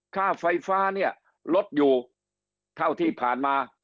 ค่าไฟฟ้าเนี่ยลดอยู่เท่าที่ผ่านมา